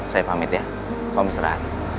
saya pamit ya kamu istirahat